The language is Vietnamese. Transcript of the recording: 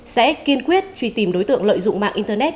sẽ kiên quyết truy tìm đối tượng lợi dụng mạng internet